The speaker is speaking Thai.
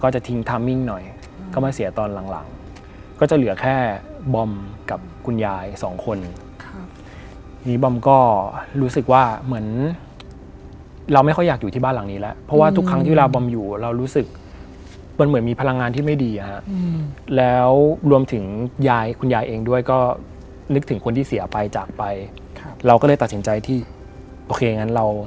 จะย้ายบ้านเข้ามาอยู่ในเมือง